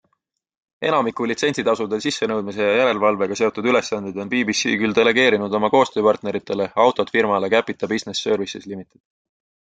Enamiku litsentsitasude sissenõudmise ja järelvalvega seotud ülesandeid on BBC küll delegeerinud oma koostööpartneritele, autod firmale Capita Business Services Ltd.